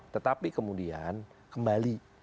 tetapi kemudian kembali